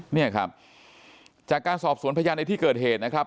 เนี่ยครับจากการสอบสวนพยานในที่เกิดเหตุนะครับ